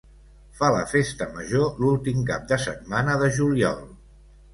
Fa la festa major l'últim cap de setmana de juliol.